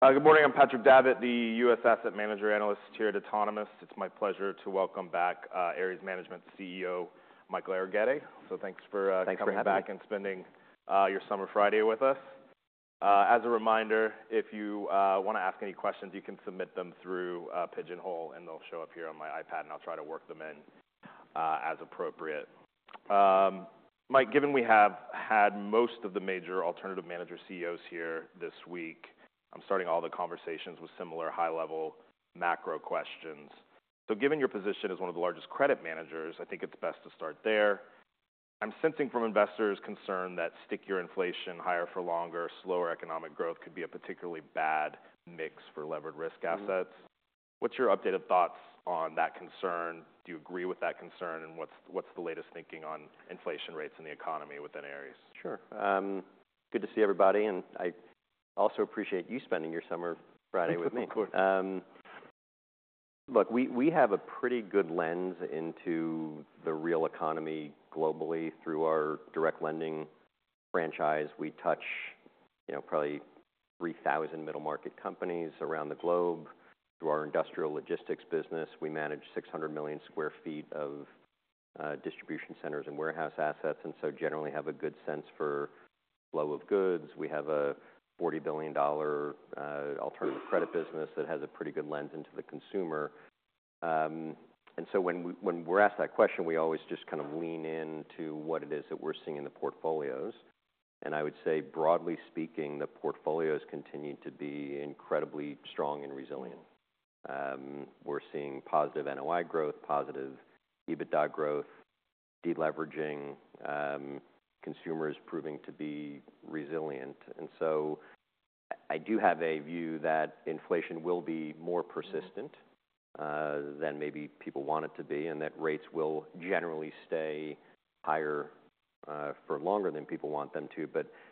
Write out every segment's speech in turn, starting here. Good morning. I'm Patrick Davitt, the U.S. Asset Manager Analyst here at Autonomous. It's my pleasure to welcome back Ares Management CEO, Michael Arougheti. Thanks for coming back and spending your summer Friday with us. As a reminder, if you want to ask any questions, you can submit them through Pigeonhole, and they'll show up here on my iPad, and I'll try to work them in as appropriate. Mike, given we have had most of the major alternative manager CEOs here this week, I'm starting all the conversations with similar high-level macro questions. Given your position as one of the largest credit managers, I think it's best to start there. I'm sensing from investors' concern that stickier inflation higher for longer, slower economic growth could be a particularly bad mix for levered risk assets. What's your updated thoughts on that concern? Do you agree with that concern? What's the latest thinking on inflation rates in the economy within Ares? Sure. Good to see everybody. I also appreciate you spending your summer Friday with me. Absolutely. Of course. Look, we have a pretty good lens into the real economy globally through our direct lending franchise. We touch probably 3,000 middle-market companies around the globe. Through our industrial logistics business, we manage 600 million sq ft of distribution centers and warehouse assets, and generally have a good sense for flow of goods. We have a $40 billion alternative credit business that has a pretty good lens into the consumer. When we're asked that question, we always just kind of lean into what it is that we're seeing in the portfolios. I would say, broadly speaking, the portfolios continue to be incredibly strong and resilient. We're seeing positive NOI growth, positive EBITDA growth, deleveraging, consumers proving to be resilient. I do have a view that inflation will be more persistent than maybe people want it to be, and that rates will generally stay higher for longer than people want them to.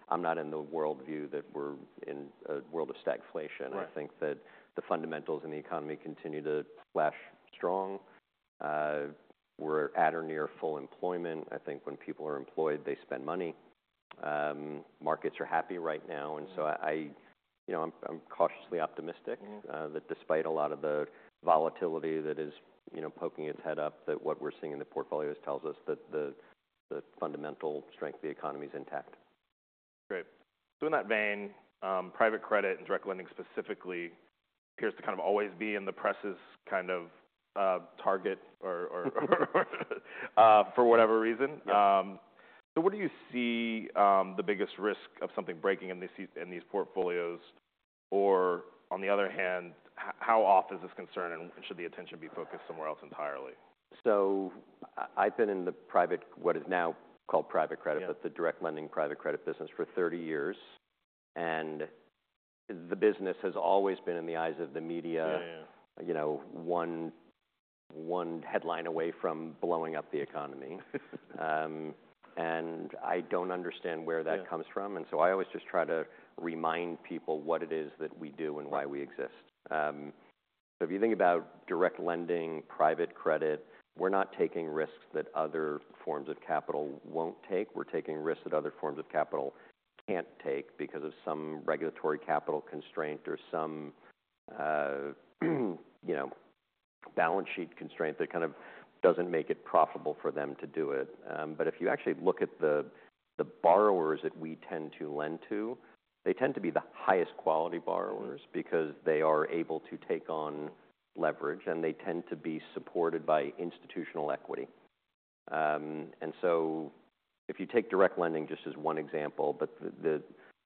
I'm not in the worldview that we're in a world of stagflation. I think that the fundamentals in the economy continue to flash strong. We're at or near full employment. I think when people are employed, they spend money. Markets are happy right now. I'm cautiously optimistic that despite a lot of the volatility that is poking its head up, what we're seeing in the portfolios tells us that the fundamental strength of the economy is intact. Great. In that vein, private credit and direct lending specifically appears to kind of always be in the press's kind of target for whatever reason. What do you see the biggest risk of something breaking in these portfolios? On the other hand, how off is this concern, and should the attention be focused somewhere else entirely? I've been in the private, what is now called private credit, but the direct lending private credit business for 30 years. The business has always been in the eyes of the media one headline away from blowing up the economy. I don't understand where that comes from. I always just try to remind people what it is that we do and why we exist. If you think about direct lending, private credit, we're not taking risks that other forms of capital won't take. We're taking risks that other forms of capital can't take because of some regulatory capital constraint or some balance sheet constraint that kind of doesn't make it profitable for them to do it. If you actually look at the borrowers that we tend to lend to, they tend to be the highest quality borrowers because they are able to take on leverage, and they tend to be supported by institutional equity. If you take direct lending just as one example, but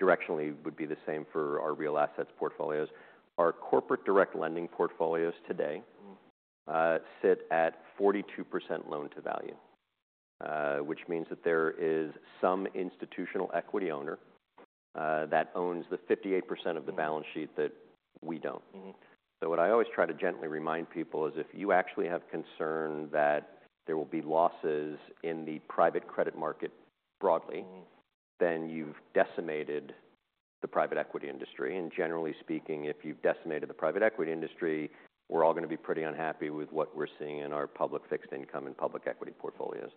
directionally it would be the same for our real assets portfolios, our corporate direct lending portfolios today sit at 42% loan to value, which means that there is some institutional equity owner that owns the 58% of the balance sheet that we do not. What I always try to gently remind people is if you actually have concern that there will be losses in the private credit market broadly, then you have decimated the private equity industry. Generally speaking, if you've decimated the private equity industry, we're all going to be pretty unhappy with what we're seeing in our public fixed income and public equity portfolios.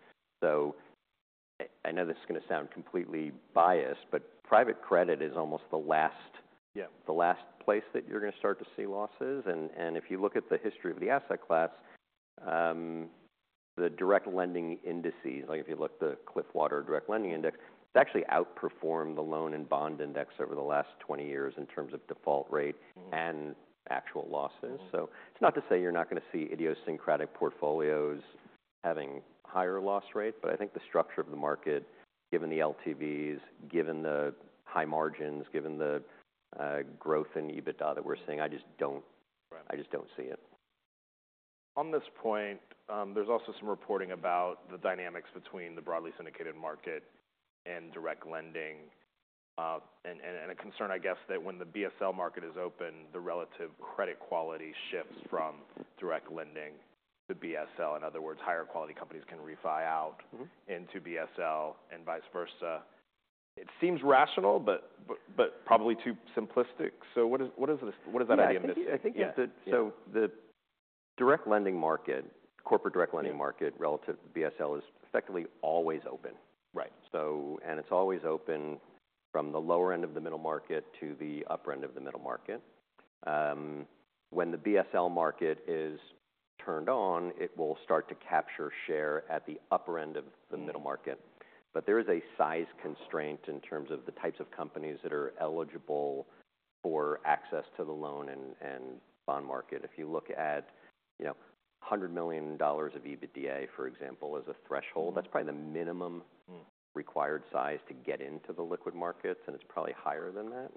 I know this is going to sound completely biased, but private credit is almost the last place that you're going to start to see losses. If you look at the history of the asset class, the direct lending indices, like if you look at the Cliffwater Direct Lending Index, it's actually outperformed the loan and bond index over the last 20 years in terms of default rate and actual losses. It's not to say you're not going to see idiosyncratic portfolios having higher loss rates, but I think the structure of the market, given the LTVs, given the high margins, given the growth in EBITDA that we're seeing, I just don't see it. On this point, there's also some reporting about the dynamics between the broadly syndicated market and direct lending. A concern, I guess, is that when the BSL market is open, the relative credit quality shifts from direct lending to BSL. In other words, higher quality companies can refi out into BSL and vice versa. It seems rational, but probably too simplistic. What is that idea missing? The direct lending market, corporate direct lending market relative to BSL is effectively always open. It's always open from the lower end of the middle market to the upper end of the middle market. When the BSL market is turned on, it will start to capture share at the upper end of the middle market. There is a size constraint in terms of the types of companies that are eligible for access to the loan and bond market. If you look at $100 million of EBITDA, for example, as a threshold, that's probably the minimum required size to get into the liquid markets, and it's probably higher than that.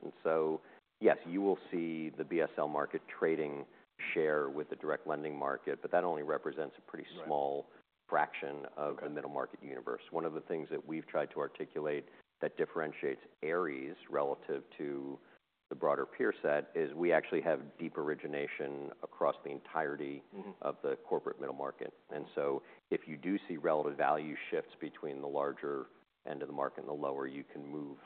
Yes, you will see the BSL market trading share with the direct lending market, but that only represents a pretty small fraction of the middle market universe. One of the things that we've tried to articulate that differentiates Ares relative to the broader peer set is we actually have deep origination across the entirety of the corporate middle market. And so if you do see relative value shifts between the larger end of the market and the lower, you can move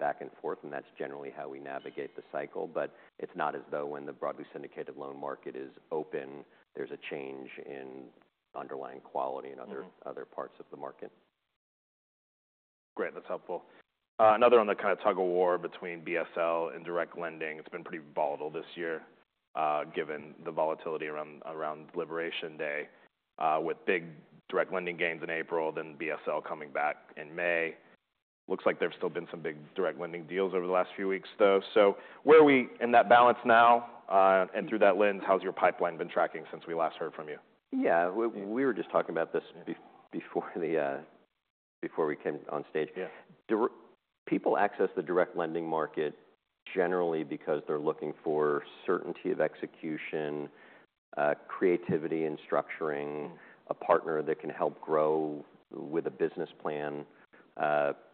back and forth, and that's generally how we navigate the cycle. But it's not as though when the broadly syndicated loan market is open, there's a change in underlying quality in other parts of the market. Great. That's helpful. Another one, that kind of tug of war between BSL and direct lending. It's been pretty volatile this year given the volatility around Liberation Day with big direct lending gains in April, then BSL coming back in May. Looks like there've still been some big direct lending deals over the last few weeks, though. Where are we in that balance now? Through that lens, how's your pipeline been tracking since we last heard from you? Yeah. We were just talking about this before we came on stage. People access the direct lending market generally because they're looking for certainty of execution, creativity in structuring, a partner that can help grow with a business plan,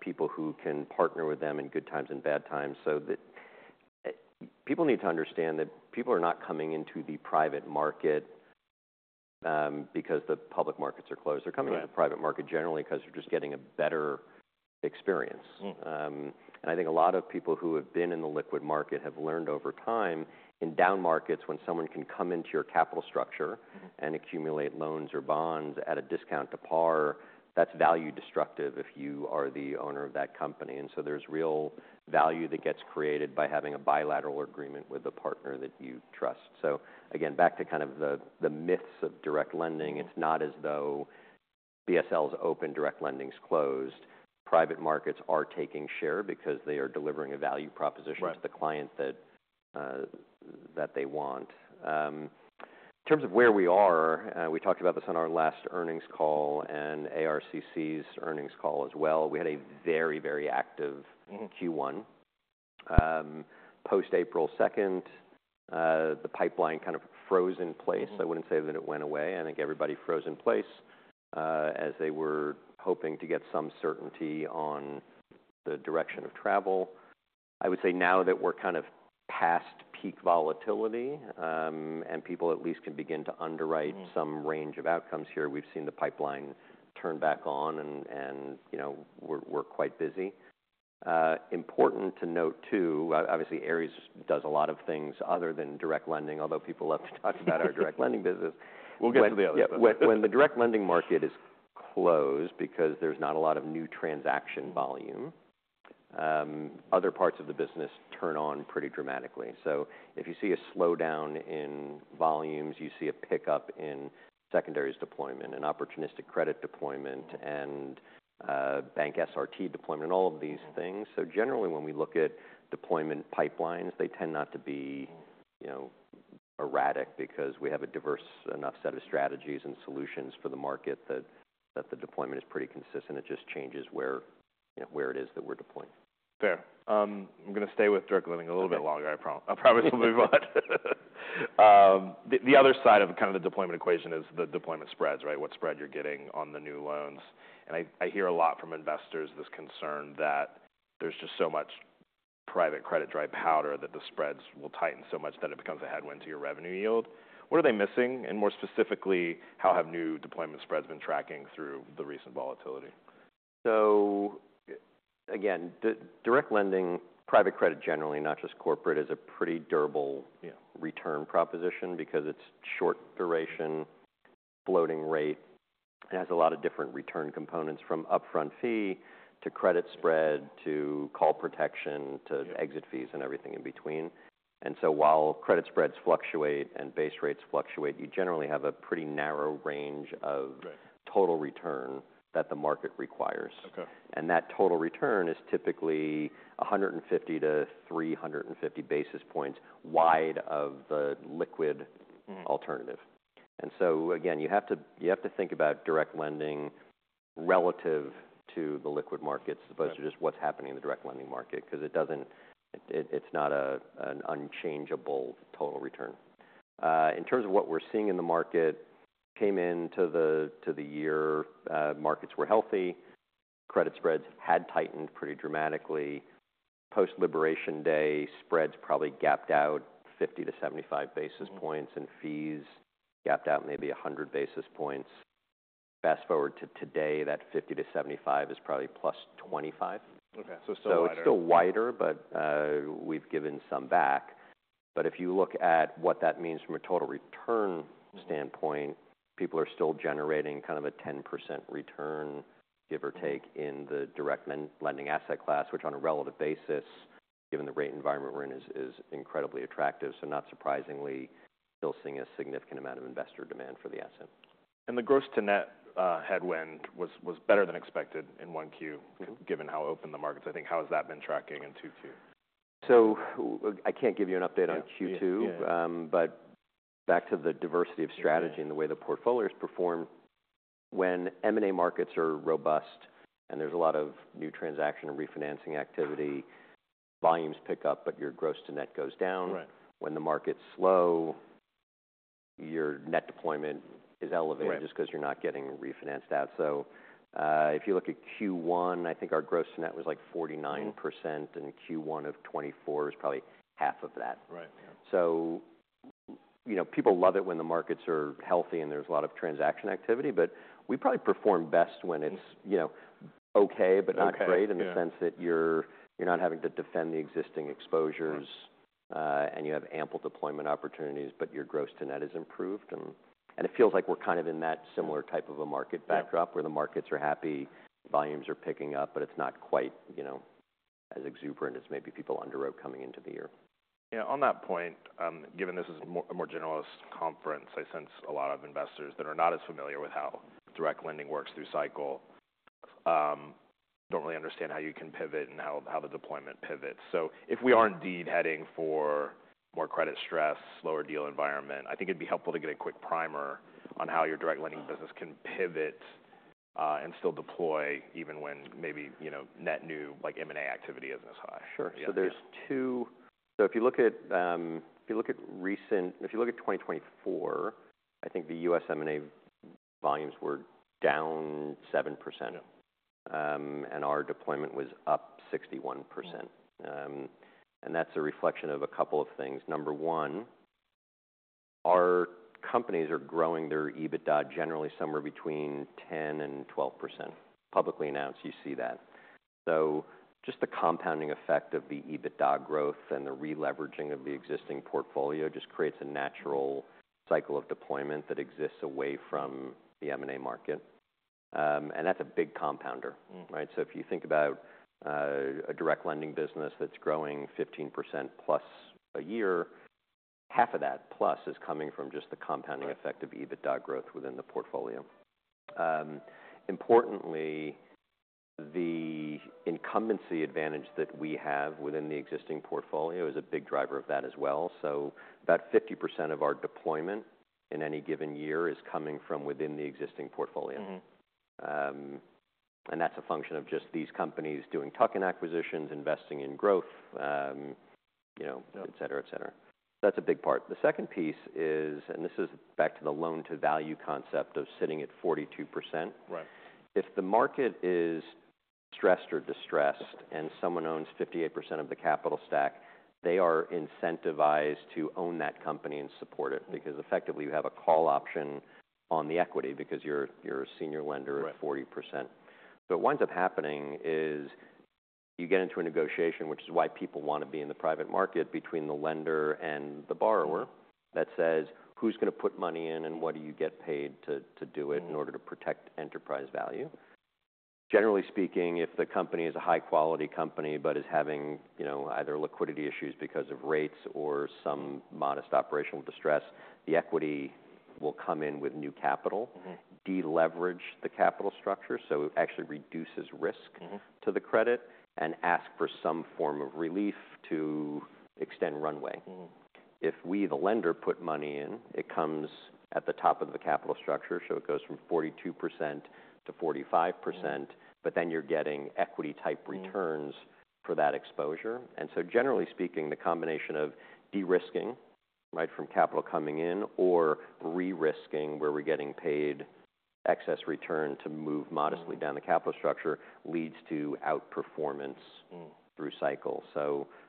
people who can partner with them in good times and bad times. People need to understand that people are not coming into the private market because the public markets are closed. They're coming into the private market generally because they're just getting a better experience. I think a lot of people who have been in the liquid market have learned over time in down markets when someone can come into your capital structure and accumulate loans or bonds at a discount to par, that's value destructive if you are the owner of that company. There is real value that gets created by having a bilateral agreement with a partner that you trust. Again, back to kind of the myths of direct lending, it is not as though BSL is open, direct lending is closed. Private markets are taking share because they are delivering a value proposition to the client that they want. In terms of where we are, we talked about this on our last earnings call and ARCC's earnings call as well. We had a very, very active Q1. Post-April 2nd, the pipeline kind of froze in place. I would not say that it went away. I think everybody froze in place as they were hoping to get some certainty on the direction of travel. I would say now that we're kind of past peak volatility and people at least can begin to underwrite some range of outcomes here, we've seen the pipeline turn back on, and we're quite busy. Important to note too, obviously Ares does a lot of things other than direct lending, although people love to talk about our direct lending business. We'll get to the other stuff. When the direct lending market is closed because there's not a lot of new transaction volume, other parts of the business turn on pretty dramatically. If you see a slowdown in volumes, you see a pickup in secondary deployment and opportunistic credit deployment and bank SRT deployment and all of these things. Generally, when we look at deployment pipelines, they tend not to be erratic because we have a diverse enough set of strategies and solutions for the market that the deployment is pretty consistent. It just changes where it is that we're deploying. Fair. I'm going to stay with direct lending a little bit longer. I promise we'll move on. The other side of kind of the deployment equation is the deployment spreads, right? What spread you're getting on the new loans. I hear a lot from investors this concern that there's just so much private credit dry powder that the spreads will tighten so much that it becomes a headwind to your revenue yield. What are they missing? And more specifically, how have new deployment spreads been tracking through the recent volatility? Direct lending, private credit generally, not just corporate, is a pretty durable return proposition because it's short duration, floating rate, and has a lot of different return components from upfront fee to credit spread to call protection to exit fees and everything in between. While credit spreads fluctuate and base rates fluctuate, you generally have a pretty narrow range of total return that the market requires. That total return is typically 150-350 basis points wide of the liquid alternative. You have to think about direct lending relative to the liquid markets as opposed to just what's happening in the direct lending market because it's not an unchangeable total return. In terms of what we're seeing in the market, came into the year, markets were healthy. Credit spreads had tightened pretty dramatically. Post-Liberation Day, spreads probably gapped out 50-75 basis points and fees gapped out maybe 100 basis points. Fast forward to today, that 50-75 is probably plus 25. It is still wider, but we have given some back. If you look at what that means from a total return standpoint, people are still generating kind of a 10% return, give or take, in the direct lending asset class, which on a relative basis, given the rate environment we are in, is incredibly attractive. Not surprisingly, still seeing a significant amount of investor demand for the asset. The gross-to-net headwind was better than expected in 1Q, given how open the markets. I think, how has that been tracking in 2Q? I can't give you an update on Q2, but back to the diversity of strategy and the way the portfolios perform. When M&A markets are robust and there's a lot of new transaction and refinancing activity, volumes pick up, but your gross-to-net goes down. When the market's slow, your net deployment is elevated just because you're not getting refinanced out. If you look at Q1, I think our gross-to-net was like 49% and Q1 of 2024 is probably half of that. People love it when the markets are healthy and there's a lot of transaction activity, but we probably perform best when it's okay, but not great in the sense that you're not having to defend the existing exposures and you have ample deployment opportunities, but your gross-to-net is improved. It feels like we're kind of in that similar type of a market backdrop where the markets are happy, volumes are picking up, but it's not quite as exuberant as maybe people underwrote coming into the year. Yeah. On that point, given this is a more generalist conference, I sense a lot of investors that are not as familiar with how direct lending works through cycle do not really understand how you can pivot and how the deployment pivots. If we are indeed heading for more credit stress, slower deal environment, I think it would be helpful to get a quick primer on how your direct lending business can pivot and still deploy even when maybe net new M&A activity is not as high. Sure. There are two. If you look at recent, if you look at 2024, I think the U.S. M&A volumes were down 7% and our deployment was up 61%. That is a reflection of a couple of things. Number one, our companies are growing their EBITDA generally somewhere between 10%-12%. Publicly announced, you see that. Just the compounding effect of the EBITDA growth and the re-leveraging of the existing portfolio creates a natural cycle of deployment that exists away from the M&A market. That is a big compounder, right? If you think about a direct lending business that is growing 15% plus a year, half of that plus is coming from just the compounding effect of EBITDA growth within the portfolio. Importantly, the incumbency advantage that we have within the existing portfolio is a big driver of that as well. About 50% of our deployment in any given year is coming from within the existing portfolio. That is a function of just these companies doing tuck-in acquisitions, investing in growth, etc., etc. That is a big part. The second piece is, and this is back to the loan-to-value concept of sitting at 42%. If the market is stressed or distressed and someone owns 58% of the capital stack, they are incentivized to own that company and support it because effectively you have a call option on the equity because you are a senior lender at 40%. What winds up happening is you get into a negotiation, which is why people want to be in the private market, between the lender and the borrower that says, "Who's going to put money in and what do you get paid to do it in order to protect enterprise value?" Generally speaking, if the company is a high-quality company but is having either liquidity issues because of rates or some modest operational distress, the equity will come in with new capital, de-leverage the capital structure. It actually reduces risk to the credit and asks for some form of relief to extend runway. If we, the lender, put money in, it comes at the top of the capital structure. It goes from 42% to 45%, but then you're getting equity-type returns for that exposure. Generally speaking, the combination of de-risking, right, from capital coming in or re-risking where we're getting paid excess return to move modestly down the capital structure leads to outperformance through cycle.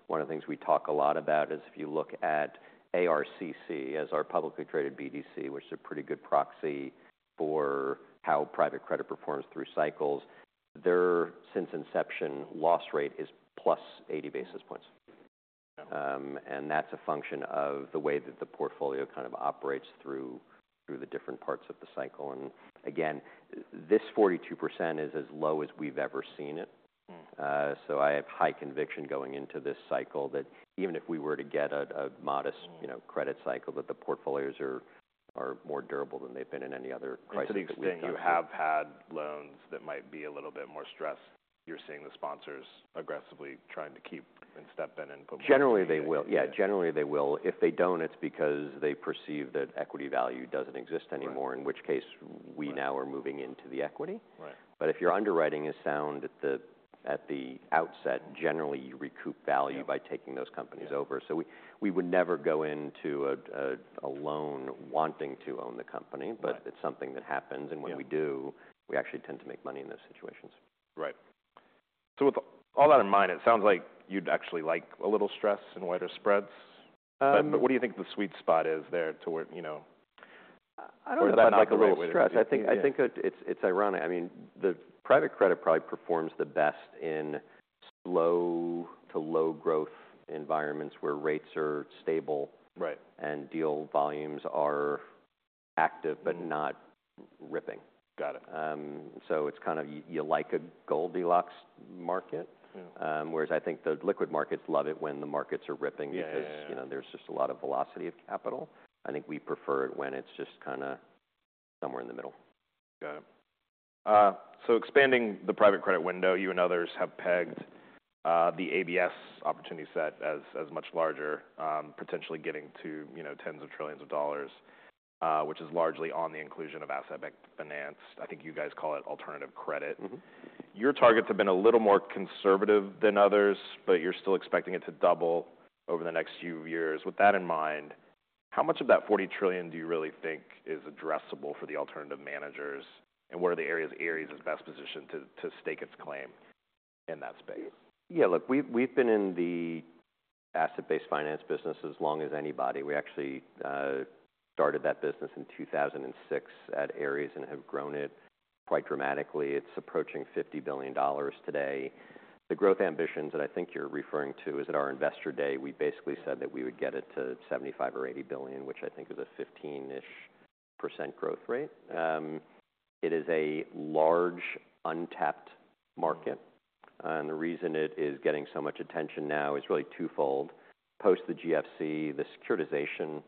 One of the things we talk a lot about is if you look at ARCC as our publicly traded BDC, which is a pretty good proxy for how private credit performs through cycles, their since inception loss rate is plus 80 basis points. That is a function of the way that the portfolio kind of operates through the different parts of the cycle. Again, this 42% is as low as we've ever seen it. I have high conviction going into this cycle that even if we were to get a modest credit cycle, the portfolios are more durable than they've been in any other crisis before. To the extent you have had loans that might be a little bit more stressed, you're seeing the sponsors aggressively trying to keep and step in and put more credit? Generally, they will. Yeah. If they do not, it is because they perceive that equity value does not exist anymore, in which case we now are moving into the equity. If your underwriting is sound at the outset, generally you recoup value by taking those companies over. We would never go into a loan wanting to own the company, but it is something that happens. When we do, we actually tend to make money in those situations. Right. So with all that in mind, it sounds like you'd actually like a little stress in wider spreads. What do you think the sweet spot is there to where? I don't know if that's a little stress. I think it's ironic. I mean, the private credit probably performs the best in slow to low growth environments where rates are stable and deal volumes are active but not ripping. It's kind of like a Goldilocks market, whereas I think the liquid markets love it when the markets are ripping because there's just a lot of velocity of capital. I think we prefer it when it's just kind of somewhere in the middle. Got it. Expanding the private credit window, you and others have pegged the ABS opportunity set as much larger, potentially getting to tens of trillions of dollars, which is largely on the inclusion of asset bank financed. I think you guys call it alternative credit. Your targets have been a little more conservative than others, but you're still expecting it to double over the next few years. With that in mind, how much of that $40 trillion do you really think is addressable for the alternative managers? What are the areas Ares is best positioned to stake its claim in that space? Yeah. Look, we've been in the asset-based finance business as long as anybody. We actually started that business in 2006 at Ares and have grown it quite dramatically. It's approaching $50 billion today. The growth ambitions that I think you're referring to is at our investor day, we basically said that we would get it to $75 billion or $80 billion, which I think is a 15% growth rate. It is a large, untapped market. The reason it is getting so much attention now is really twofold. Post the GFC, the securitization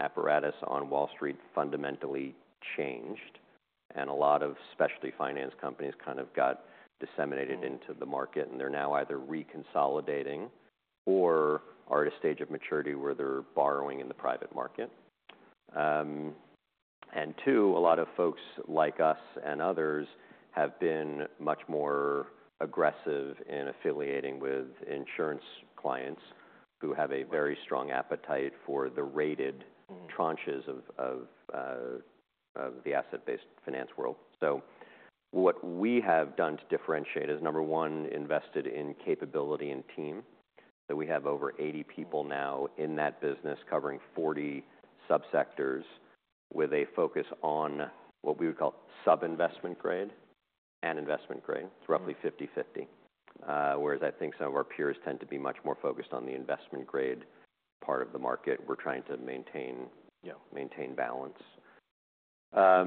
apparatus on Wall Street fundamentally changed, and a lot of specialty finance companies kind of got disseminated into the market, and they're now either reconsolidating or are at a stage of maturity where they're borrowing in the private market. A lot of folks like us and others have been much more aggressive in affiliating with insurance clients who have a very strong appetite for the rated tranches of the asset-based finance world. What we have done to differentiate is, number one, invested in capability and team. We have over 80 people now in that business covering 40 subsectors with a focus on what we would call sub-investment grade and investment grade. It is roughly 50/50, whereas I think some of our peers tend to be much more focused on the investment grade part of the market. We are trying to maintain balance. How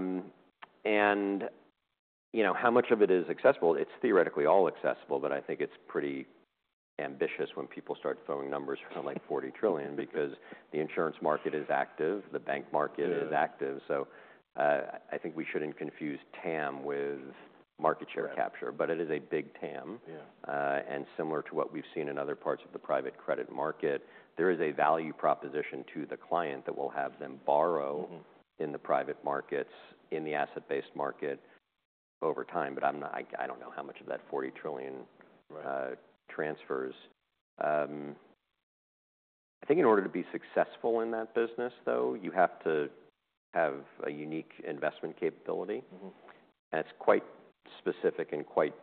much of it is accessible? It is theoretically all accessible, but I think it is pretty ambitious when people start throwing numbers from like $40 trillion because the insurance market is active. The bank market is active. I think we shouldn't confuse TAM with market share capture, but it is a big TAM. Similar to what we've seen in other parts of the private credit market, there is a value proposition to the client that will have them borrow in the private markets in the asset-based market over time. I don't know how much of that $40 trillion transfers. I think in order to be successful in that business, though, you have to have a unique investment capability. It is quite specific and quite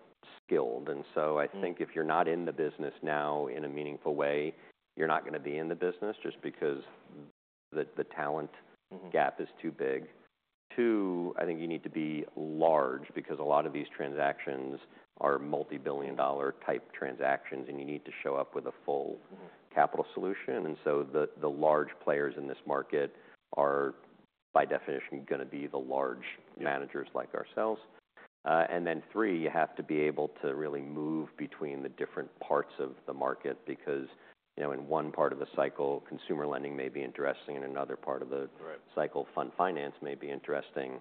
skilled. I think if you're not in the business now in a meaningful way, you're not going to be in the business just because the talent gap is too big. Two, I think you need to be large because a lot of these transactions are multi-billion dollar type transactions, and you need to show up with a full capital solution. The large players in this market are, by definition, going to be the large managers like ourselves. Three, you have to be able to really move between the different parts of the market because in one part of the cycle, consumer lending may be interesting, and in another part of the cycle, fund finance may be interesting.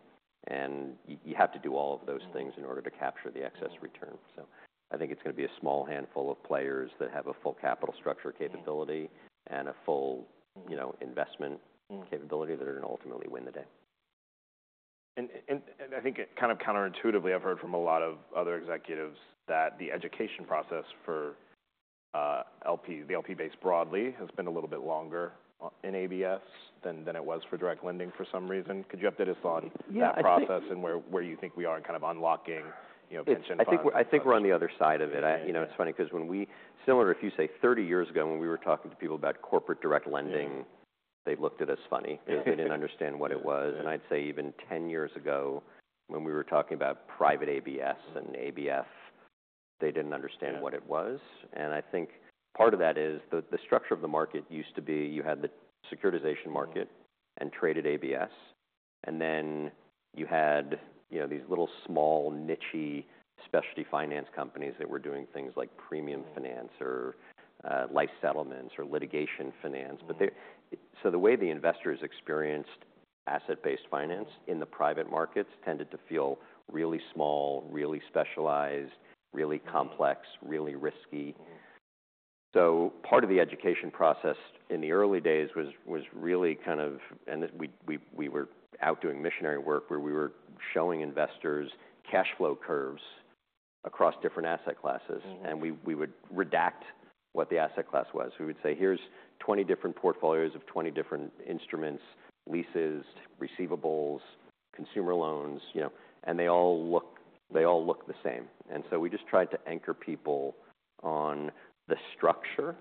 You have to do all of those things in order to capture the excess return. I think it's going to be a small handful of players that have a full capital structure capability and a full investment capability that are going to ultimately win the day. I think kind of counterintuitively, I've heard from a lot of other executives that the education process for the LP base broadly has been a little bit longer in ABS than it was for direct lending for some reason. Could you update us on that process and where you think we are in kind of unlocking potential? I think we're on the other side of it. It's funny because when we, similar to what you say, 30 years ago when we were talking to people about corporate direct lending, they looked at us funny because they didn't understand what it was. I'd say even 10 years ago when we were talking about private ABS and ABF, they didn't understand what it was. I think part of that is the structure of the market used to be you had the securitization market and traded ABS. Then you had these little small, niche specialty finance companies that were doing things like premium finance or life settlements or litigation finance. The way the investors experienced asset-based finance in the private markets tended to feel really small, really specialized, really complex, really risky. Part of the education process in the early days was really kind of, and we were out doing missionary work where we were showing investors cash flow curves across different asset classes. We would redact what the asset class was. We would say, "Here's 20 different portfolios of 20 different instruments, leases, receivables, consumer loans." They all look the same. We just tried to anchor people on the structure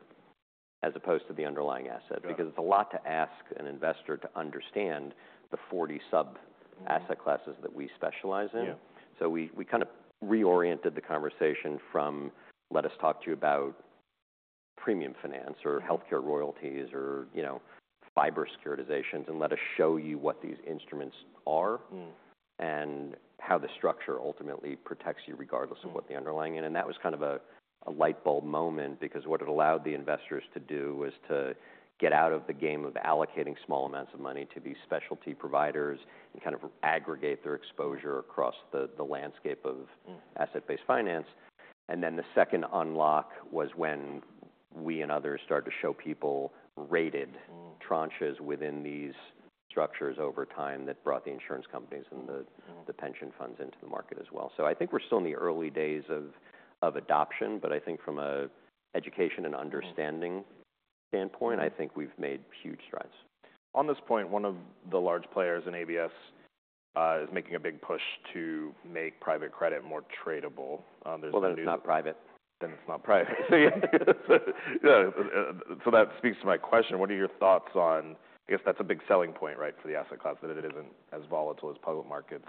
as opposed to the underlying asset because it's a lot to ask an investor to understand the 40 sub-asset classes that we specialize in. We kind of reoriented the conversation from, "Let us talk to you about premium finance or healthcare royalties or fiber securitizations, and let us show you what these instruments are and how the structure ultimately protects you regardless of what the underlying is." That was kind of a light bulb moment because what it allowed the investors to do was to get out of the game of allocating small amounts of money to these specialty providers and kind of aggregate their exposure across the landscape of asset-based finance. The second unlock was when we and others started to show people rated tranches within these structures over time that brought the insurance companies and the pension funds into the market as well. I think we're still in the early days of adoption, but I think from an education and understanding standpoint, I think we've made huge strides. On this point, one of the large players in ABS is making a big push to make private credit more tradable. There's the new. Then it's not private. It is not private. Yeah. That speaks to my question. What are your thoughts on, I guess that is a big selling point, right, for the asset class that it is not as volatile as public markets?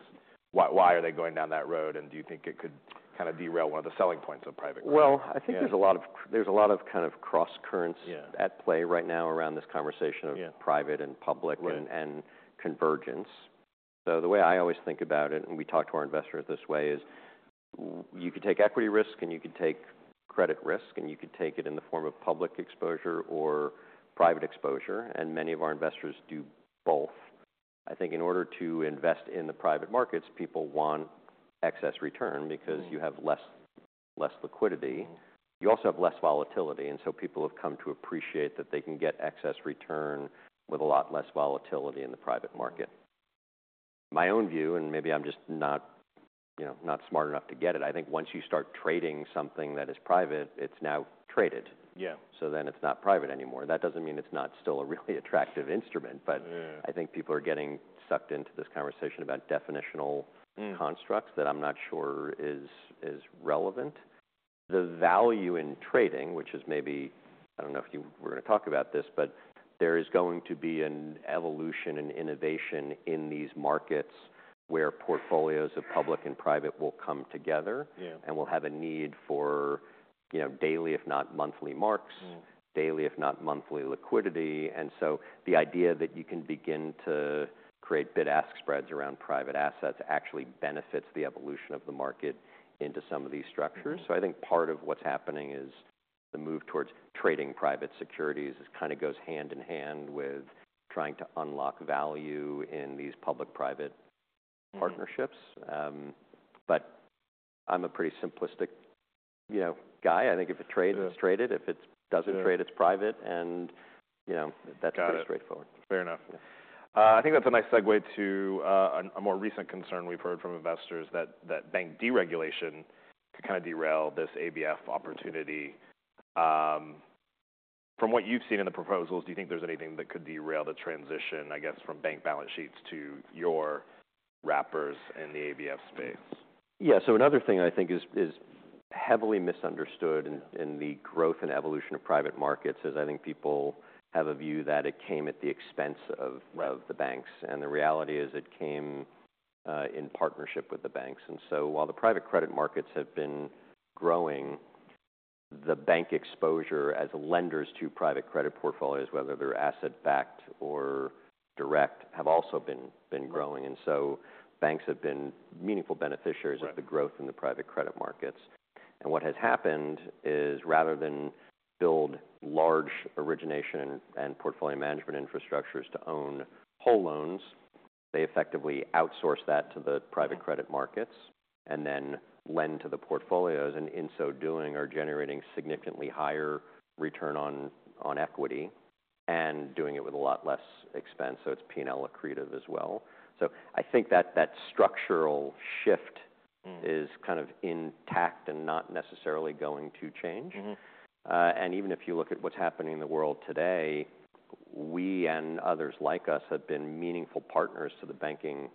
Why are they going down that road? Do you think it could kind of derail one of the selling points of private credit? I think there's a lot of kind of cross currents at play right now around this conversation of private and public and convergence. The way I always think about it, and we talk to our investors this way, is you could take equity risk and you could take credit risk and you could take it in the form of public exposure or private exposure. Many of our investors do both. I think in order to invest in the private markets, people want excess return because you have less liquidity. You also have less volatility. People have come to appreciate that they can get excess return with a lot less volatility in the private market. My own view, and maybe I'm just not smart enough to get it, I think once you start trading something that is private, it's now traded. Then it's not private anymore. That doesn't mean it's not still a really attractive instrument, but I think people are getting sucked into this conversation about definitional constructs that I'm not sure is relevant. The value in trading, which is maybe, I don't know if you were going to talk about this, but there is going to be an evolution and innovation in these markets where portfolios of public and private will come together and will have a need for daily, if not monthly marks, daily, if not monthly liquidity. The idea that you can begin to create bid-ask spreads around private assets actually benefits the evolution of the market into some of these structures. I think part of what's happening is the move towards trading private securities kind of goes hand in hand with trying to unlock value in these public-private partnerships. I'm a pretty simplistic guy. I think if it trades, it's traded. If it doesn't trade, it's private. That's pretty straightforward. Fair enough. I think that's a nice segue to a more recent concern we've heard from investors that bank deregulation could kind of derail this ABF opportunity. From what you've seen in the proposals, do you think there's anything that could derail the transition, I guess, from bank balance sheets to your wrappers in the ABF space? Yeah. Another thing I think is heavily misunderstood in the growth and evolution of private markets is I think people have a view that it came at the expense of the banks. The reality is it came in partnership with the banks. While the private credit markets have been growing, the bank exposure as lenders to private credit portfolios, whether they're asset-backed or direct, have also been growing. Banks have been meaningful beneficiaries of the growth in the private credit markets. What has happened is rather than build large origination and portfolio management infrastructures to own whole loans, they effectively outsource that to the private credit markets and then lend to the portfolios. In so doing, they are generating significantly higher return on equity and doing it with a lot less expense. It is capital accretive as well. I think that that structural shift is kind of intact and not necessarily going to change. Even if you look at what's happening in the world today, we and others like us have been meaningful partners to the banking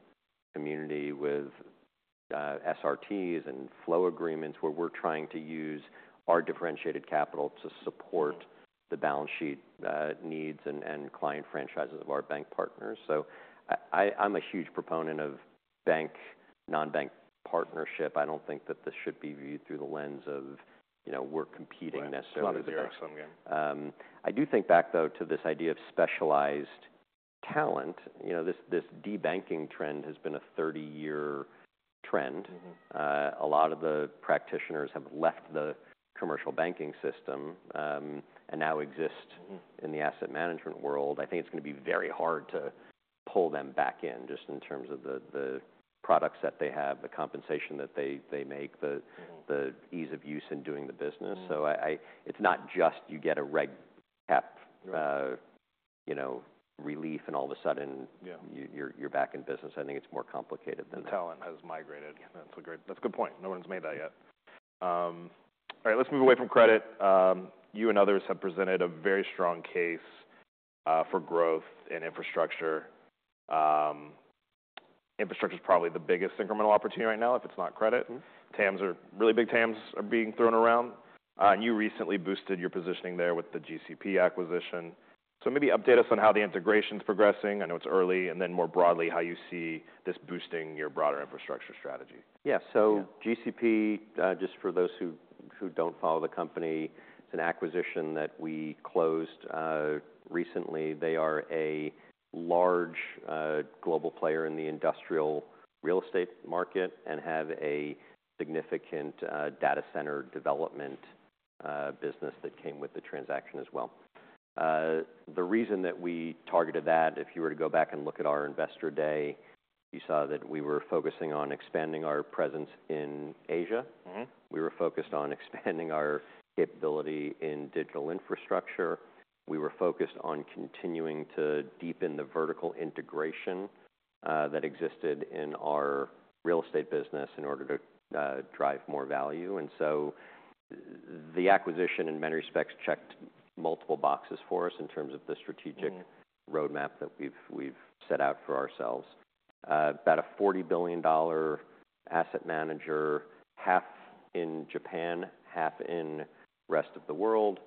community with SRTs and flow agreements where we're trying to use our differentiated capital to support the balance sheet needs and client franchises of our bank partners. I'm a huge proponent of bank-non-bank partnership. I don't think that this should be viewed through the lens of we're competing necessarily there. It's not a zero-sum game. I do think back, though, to this idea of specialized talent. This de-banking trend has been a 30-year trend. A lot of the practitioners have left the commercial banking system and now exist in the asset management world. I think it's going to be very hard to pull them back in just in terms of the products that they have, the compensation that they make, the ease of use in doing the business. It is not just you get a red cap relief and all of a sudden you're back in business. I think it's more complicated than that. Talent has migrated. That's a good point. No one's made that yet. All right. Let's move away from credit. You and others have presented a very strong case for growth in infrastructure. Infrastructure is probably the biggest incremental opportunity right now if it's not credit. TAMs are really big. TAMs are being thrown around. You recently boosted your positioning there with the GCP acquisition. Maybe update us on how the integration is progressing. I know it's early. More broadly, how you see this boosting your broader infrastructure strategy. Yeah. GCP, just for those who do not follow the company, it is an acquisition that we closed recently. They are a large global player in the industrial real estate market and have a significant data center development business that came with the transaction as well. The reason that we targeted that, if you were to go back and look at our investor day, you saw that we were focusing on expanding our presence in Asia. We were focused on expanding our capability in digital infrastructure. We were focused on continuing to deepen the vertical integration that existed in our real estate business in order to drive more value. The acquisition in many respects checked multiple boxes for us in terms of the strategic roadmap that we have set out for ourselves. About a $40 billion asset manager, half in Japan, half in the rest of the world.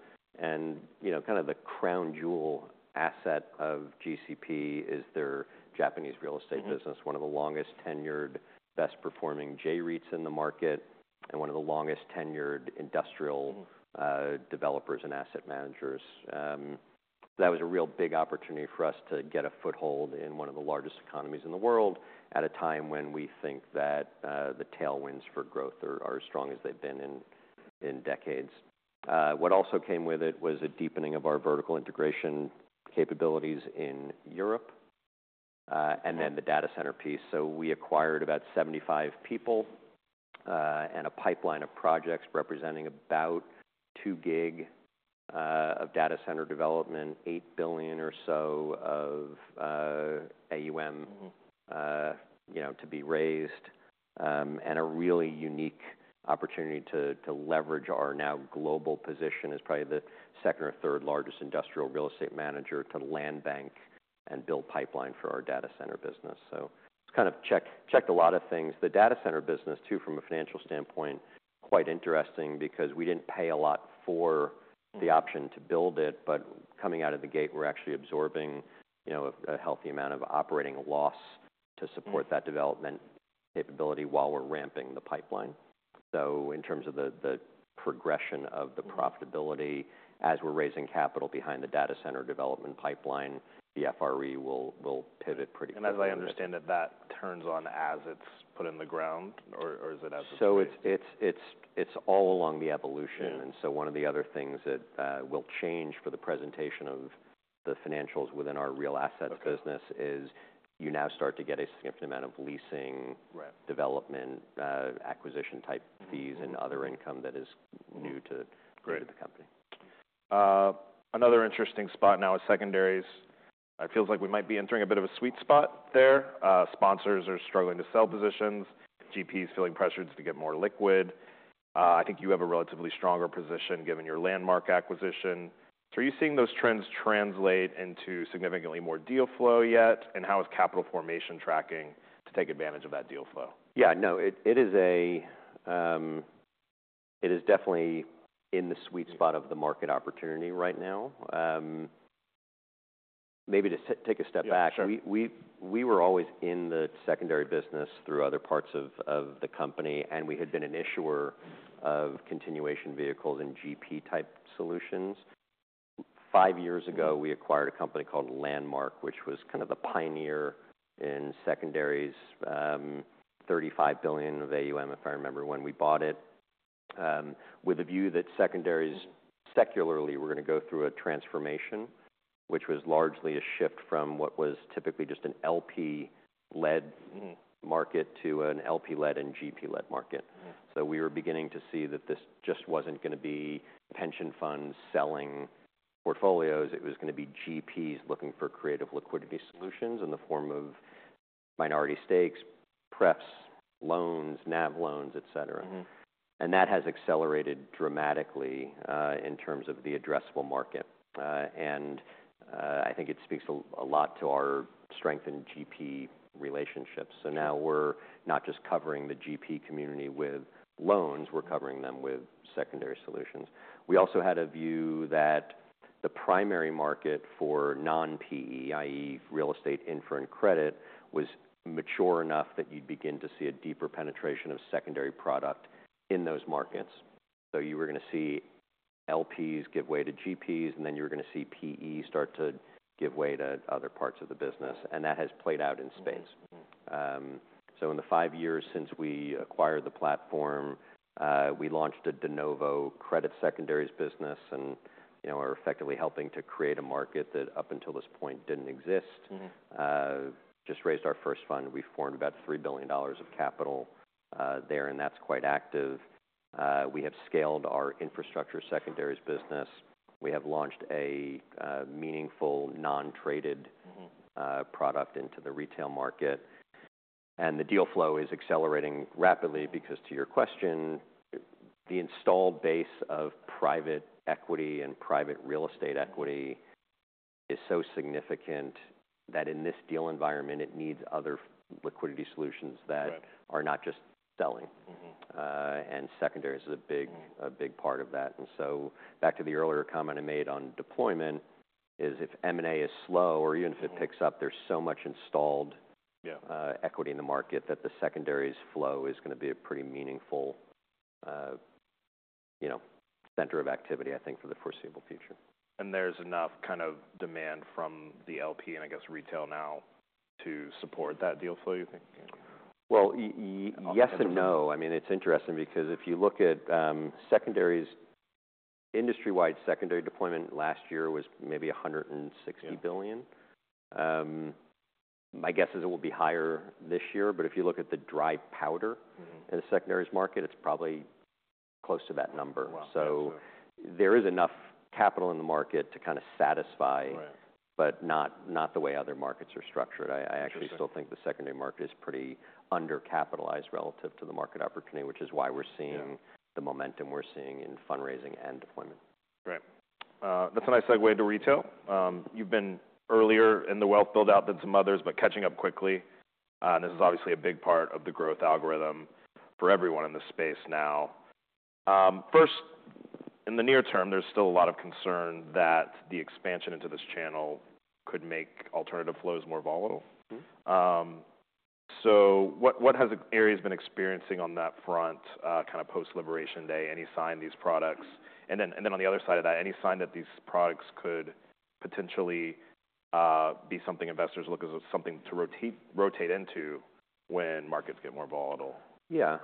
Kind of the crown jewel asset of GCP is their Japanese real estate business, one of the longest tenured, best-performing J-REITs in the market, and one of the longest tenured industrial developers and asset managers. That was a real big opportunity for us to get a foothold in one of the largest economies in the world at a time when we think that the tailwinds for growth are as strong as they've been in decades. What also came with it was a deepening of our vertical integration capabilities in Europe and then the data center piece. We acquired about 75 people and a pipeline of projects representing about 2 gig of data center development, $8 billion or so of AUM to be raised, and a really unique opportunity to leverage our now global position as probably the second or third largest industrial real estate manager to land bank and build pipeline for our data center business. It kind of checked a lot of things. The data center business too, from a financial standpoint, is quite interesting because we did not pay a lot for the option to build it, but coming out of the gate, we are actually absorbing a healthy amount of operating loss to support that development capability while we are ramping the pipeline. In terms of the progression of the profitability, as we are raising capital behind the data center development pipeline, the FRE will pivot pretty quickly. As I understand it, that turns on as it's put in the ground, or is it as it's? It's all along the evolution. One of the other things that will change for the presentation of the financials within our real assets business is you now start to get a significant amount of leasing, development, acquisition-type fees, and other income that is new to the company. Another interesting spot now is secondaries. It feels like we might be entering a bit of a sweet spot there. Sponsors are struggling to sell positions. GP is feeling pressured to get more liquid. I think you have a relatively stronger position given your Landmark acquisition. Are you seeing those trends translate into significantly more deal flow yet? How is capital formation tracking to take advantage of that deal flow? Yeah. No, it is definitely in the sweet spot of the market opportunity right now. Maybe to take a step back, we were always in the secondary business through other parts of the company, and we had been an issuer of continuation vehicles and GP-type solutions. Five years ago, we acquired a company called Landmark, which was kind of the pioneer in secondaries, $35 billion of AUM, if I remember when we bought it, with a view that secondaries secularly were going to go through a transformation, which was largely a shift from what was typically just an LP-led market to an LP-led and GP-led market. We were beginning to see that this just was not going to be pension funds selling portfolios. It was going to be GPs looking for creative liquidity solutions in the form of minority stakes, preps, loans, NAV loans, etc. That has accelerated dramatically in terms of the addressable market. I think it speaks a lot to our strength in GP relationships. Now we're not just covering the GP community with loans, we're covering them with secondary solutions. We also had a view that the primary market for non-PE, i.e., real estate, infrastructure, credit, was mature enough that you'd begin to see a deeper penetration of secondary product in those markets. You were going to see LPs give way to GPs, and then you were going to see PE start to give way to other parts of the business. That has played out in space. In the five years since we acquired the platform, we launched a de novo credit secondaries business and are effectively helping to create a market that up until this point did not exist. Just raised our first fund. We formed about $3 billion of capital there, and that's quite active. We have scaled our infrastructure secondaries business. We have launched a meaningful non-traded product into the retail market. The deal flow is accelerating rapidly because, to your question, the installed base of private equity and private real estate equity is so significant that in this deal environment, it needs other liquidity solutions that are not just selling. Secondary is a big part of that. Back to the earlier comment I made on deployment, if M&A is slow, or even if it picks up, there is so much installed equity in the market that the secondaries flow is going to be a pretty meaningful center of activity, I think, for the foreseeable future. There's enough kind of demand from the LP and, I guess, retail now to support that deal flow, you think? Yes and no. I mean, it's interesting because if you look at secondaries, industry-wide secondary deployment last year was maybe $160 billion. My guess is it will be higher this year. If you look at the dry powder in the secondaries market, it's probably close to that number. There is enough capital in the market to kind of satisfy, but not the way other markets are structured. I actually still think the secondary market is pretty undercapitalized relative to the market opportunity, which is why we're seeing the momentum we're seeing in fundraising and deployment. Right. That's a nice segue into retail. You've been earlier in the wealth build-out than some others, but catching up quickly. This is obviously a big part of the growth algorithm for everyone in the space now. First, in the near term, there's still a lot of concern that the expansion into this channel could make alternative flows more volatile. What has Ares been experiencing on that front kind of post-liberation day? Any sign these products? On the other side of that, any sign that these products could potentially be something investors look at as something to rotate into when markets get more volatile? Yeah.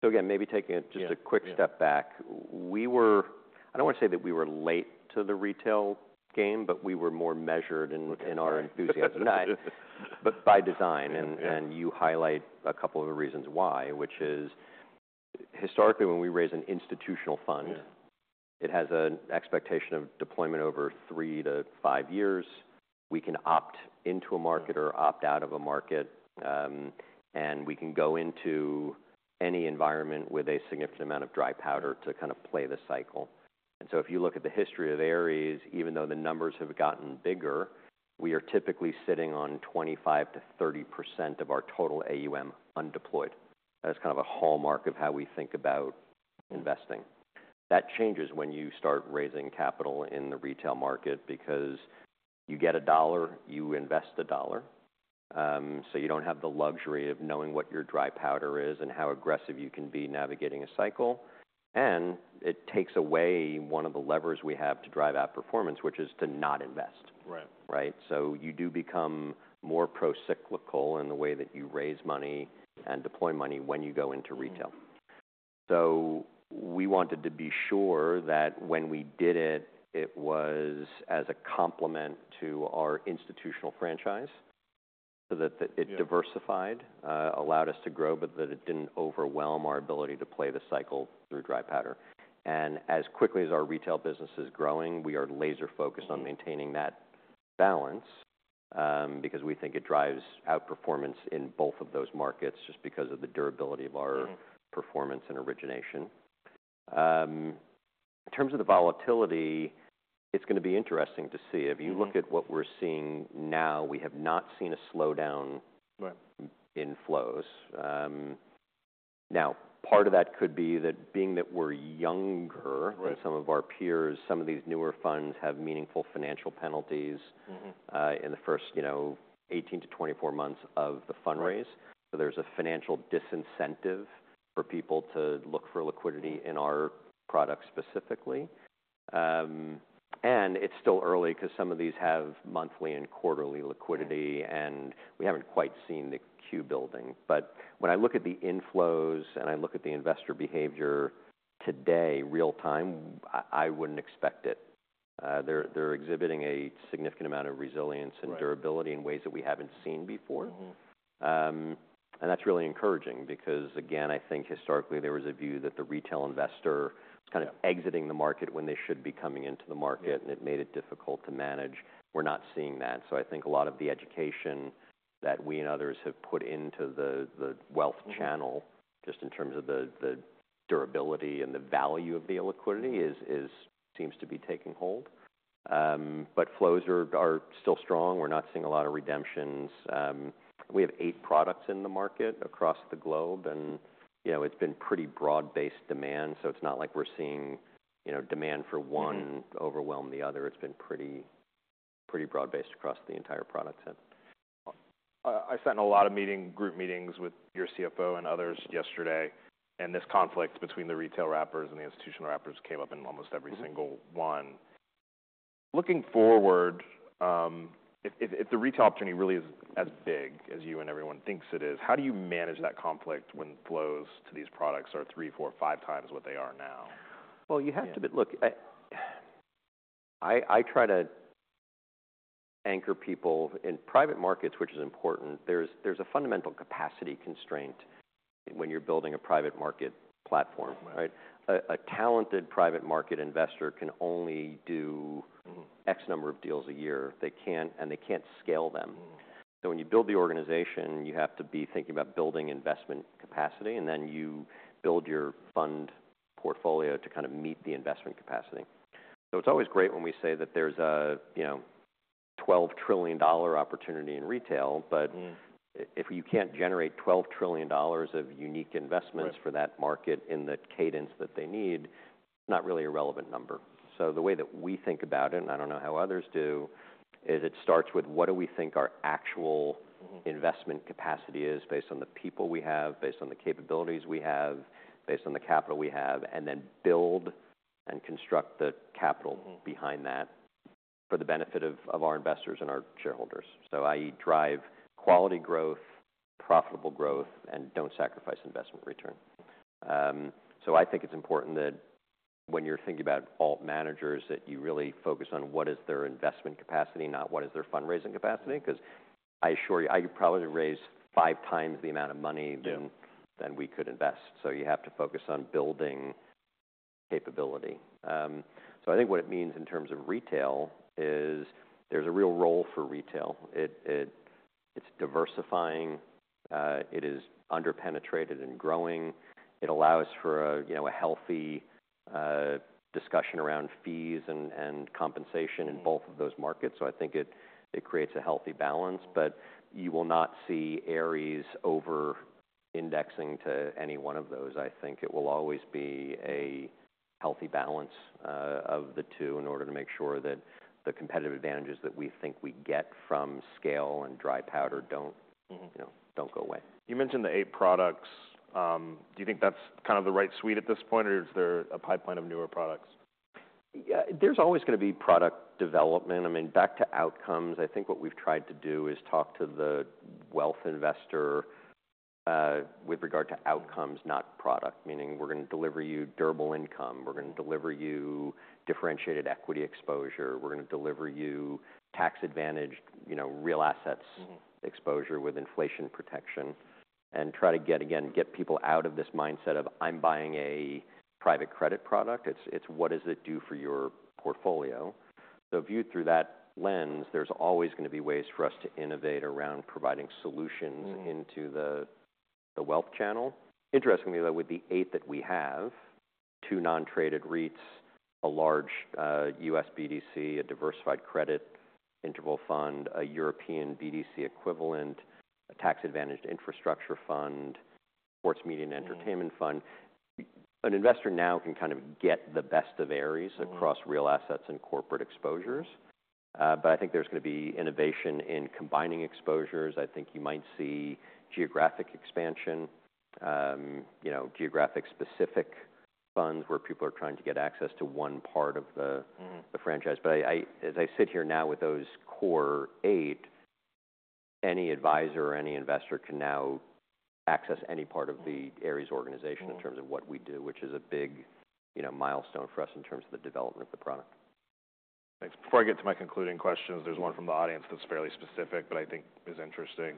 So again, maybe taking it just a quick step back, we were—I do not want to say that we were late to the retail game, but we were more measured in our enthusiasm by design. You highlight a couple of the reasons why, which is historically, when we raise an institutional fund, it has an expectation of deployment over three to five years. We can opt into a market or opt out of a market, and we can go into any environment with a significant amount of dry powder to kind of play the cycle. If you look at the history of Ares, even though the numbers have gotten bigger, we are typically sitting on 25%-30% of our total AUM undeployed. That is kind of a hallmark of how we think about investing. That changes when you start raising capital in the retail market because you get a dollar, you invest a dollar. You do not have the luxury of knowing what your dry powder is and how aggressive you can be navigating a cycle. It takes away one of the levers we have to drive outperformance, which is to not invest, right? You do become more procyclical in the way that you raise money and deploy money when you go into retail. We wanted to be sure that when we did it, it was as a complement to our institutional franchise so that it diversified, allowed us to grow, but that it did not overwhelm our ability to play the cycle through dry powder. As quickly as our retail business is growing, we are laser-focused on maintaining that balance because we think it drives outperformance in both of those markets just because of the durability of our performance and origination. In terms of the volatility, it's going to be interesting to see. If you look at what we're seeing now, we have not seen a slowdown in flows. Now, part of that could be that being that we're younger than some of our peers, some of these newer funds have meaningful financial penalties in the first 18 to 24 months of the fundraise. There is a financial disincentive for people to look for liquidity in our product specifically. It is still early because some of these have monthly and quarterly liquidity, and we have not quite seen the queue building. When I look at the inflows and I look at the investor behavior today, real-time, I would not expect it. They are exhibiting a significant amount of resilience and durability in ways that we have not seen before. That is really encouraging because, again, I think historically there was a view that the retail investor was kind of exiting the market when they should be coming into the market, and it made it difficult to manage. We are not seeing that. I think a lot of the education that we and others have put into the wealth channel, just in terms of the durability and the value of the liquidity, seems to be taking hold. Flows are still strong. We are not seeing a lot of redemptions. We have eight products in the market across the globe, and it has been pretty broad-based demand. It's not like we're seeing demand for one overwhelm the other. It's been pretty broad-based across the entire product set. I sat in a lot of group meetings with your CFO and others yesterday, and this conflict between the retail wrappers and the institutional wrappers came up in almost every single one. Looking forward, if the retail opportunity really is as big as you and everyone thinks it is, how do you manage that conflict when flows to these products are three, four, five times what they are now? I try to anchor people in private markets, which is important. There's a fundamental capacity constraint when you're building a private market platform, right? A talented private market investor can only do X number of deals a year, and they can't scale them. When you build the organization, you have to be thinking about building investment capacity, and then you build your fund portfolio to kind of meet the investment capacity. It's always great when we say that there's a $12 trillion opportunity in retail, but if you can't generate $12 trillion of unique investments for that market in the cadence that they need, it's not really a relevant number. The way that we think about it, and I do not know how others do, is it starts with what do we think our actual investment capacity is based on the people we have, based on the capabilities we have, based on the capital we have, and then build and construct the capital behind that for the benefit of our investors and our shareholders. I drive quality growth, profitable growth, and do not sacrifice investment return. I think it is important that when you are thinking about alt managers, that you really focus on what is their investment capacity, not what is their fundraising capacity, because I assure you I could probably raise five times the amount of money than we could invest. You have to focus on building capability. I think what it means in terms of retail is there is a real role for retail. It is diversifying. It is underpenetrated and growing. It allows for a healthy discussion around fees and compensation in both of those markets. I think it creates a healthy balance, but you will not see areas over-indexing to any one of those. I think it will always be a healthy balance of the two in order to make sure that the competitive advantages that we think we get from scale and dry powder do not go away. You mentioned the eight products. Do you think that's kind of the right suite at this point, or is there a pipeline of newer products? There's always going to be product development. I mean, back to outcomes, I think what we've tried to do is talk to the wealth investor with regard to outcomes, not product, meaning we're going to deliver you durable income. We're going to deliver you differentiated equity exposure. We're going to deliver you tax-advantaged real assets exposure with inflation protection and try to, again, get people out of this mindset of, "I'm buying a private credit product." It's, "What does it do for your portfolio?" Viewed through that lens, there's always going to be ways for us to innovate around providing solutions into the wealth channel. Interestingly, though, with the eight that we have, two non-traded REITs, a large U.S. BDC, a diversified credit interval fund, a European BDC equivalent, a tax-advantaged infrastructure fund, sports media and entertainment fund, an investor now can kind of get the best of Ares across real assets and corporate exposures. I think there's going to be innovation in combining exposures. I think you might see geographic expansion, geographic-specific funds where people are trying to get access to one part of the franchise. As I sit here now with those core eight, any advisor or any investor can now access any part of the Ares organization in terms of what we do, which is a big milestone for us in terms of the development of the product. Thanks. Before I get to my concluding questions, there's one from the audience that's fairly specific, but I think is interesting.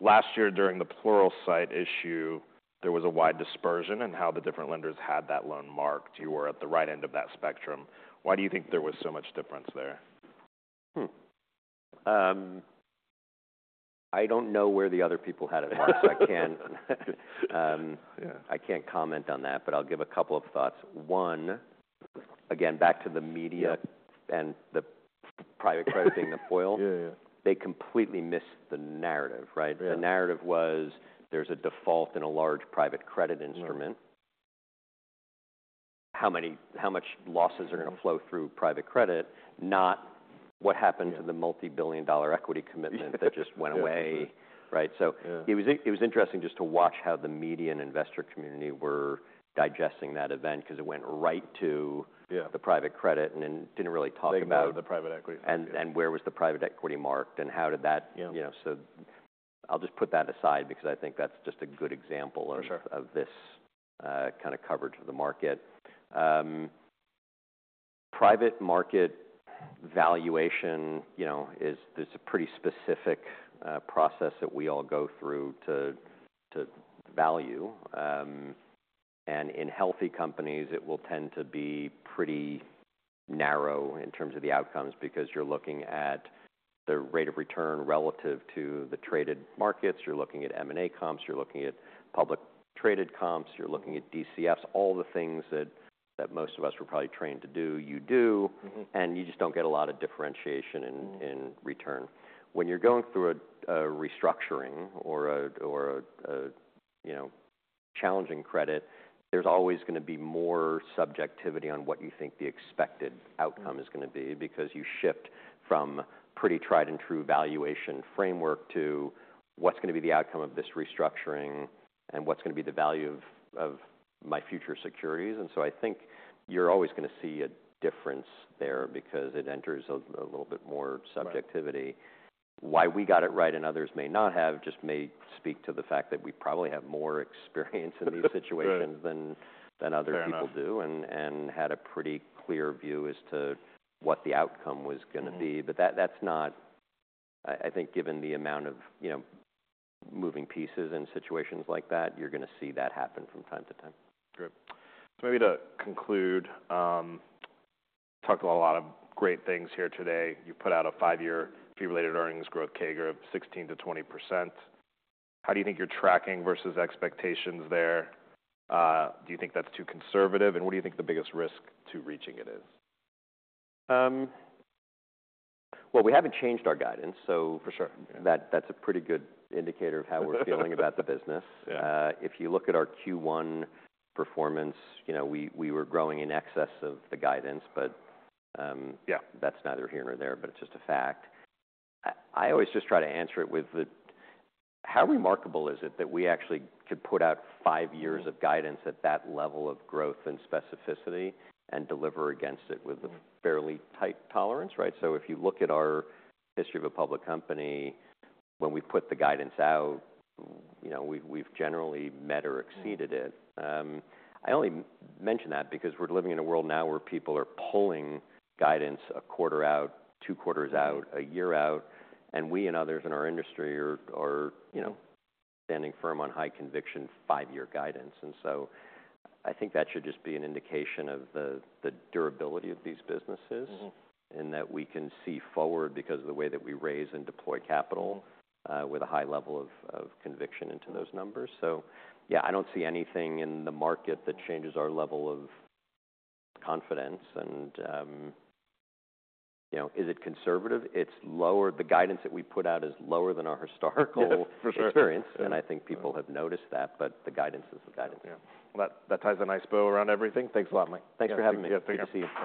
Last year, during the Pluralsight issue, there was a wide dispersion in how the different lenders had that loan marked. You were at the right end of that spectrum. Why do you think there was so much difference there? I don't know where the other people had it marked. I can't comment on that, but I'll give a couple of thoughts. One, again, back to the media and the private credit being the foil. They completely missed the narrative, right? The narrative was there's a default in a large private credit instrument. How much losses are going to flow through private credit, not what happened to the multi-billion dollar equity commitment that just went away, right? It was interesting just to watch how the media and investor community were digesting that event because it went right to the private credit and then didn't really talk about. They never had the private equity. Where was the private equity marked and how did that? I'll just put that aside because I think that's just a good example of this kind of coverage of the market. Private market valuation is a pretty specific process that we all go through to value. In healthy companies, it will tend to be pretty narrow in terms of the outcomes because you're looking at the rate of return relative to the traded markets. You're looking at M&A comps. You're looking at publicly traded comps. You're looking at DCFs, all the things that most of us were probably trained to do. You do, and you just don't get a lot of differentiation in return. When you're going through a restructuring or a challenging credit, there's always going to be more subjectivity on what you think the expected outcome is going to be because you shift from pretty tried-and-true valuation framework to what's going to be the outcome of this restructuring and what's going to be the value of my future securities. I think you're always going to see a difference there because it enters a little bit more subjectivity. Why we got it right and others may not have just may speak to the fact that we probably have more experience in these situations than other people do and had a pretty clear view as to what the outcome was going to be. That's not, I think, given the amount of moving pieces and situations like that, you're going to see that happen from time to time. Good. Maybe to conclude, talked about a lot of great things here today. You put out a five-year fee-related earnings growth CAGR of 16%-20%. How do you think you're tracking versus expectations there? Do you think that's too conservative? What do you think the biggest risk to reaching it is? We haven't changed our guidance, so that's a pretty good indicator of how we're feeling about the business. If you look at our Q1 performance, we were growing in excess of the guidance, but that's neither here nor there, but it's just a fact. I always just try to answer it with, how remarkable is it that we actually could put out five years of guidance at that level of growth and specificity and deliver against it with a fairly tight tolerance, right? If you look at our history of a public company, when we put the guidance out, we've generally met or exceeded it. I only mention that because we're living in a world now where people are pulling guidance a quarter out, two quarters out, a year out, and we and others in our industry are standing firm on high conviction five-year guidance. I think that should just be an indication of the durability of these businesses and that we can see forward because of the way that we raise and deploy capital with a high level of conviction into those numbers. Yeah, I do not see anything in the market that changes our level of confidence. Is it conservative? The guidance that we put out is lower than our historical experience, and I think people have noticed that, but the guidance is the guidance. Yeah. That ties a nice bow around everything. Thanks a lot, Mike. Thanks for having me. Yeah. Thank you. Good to see you.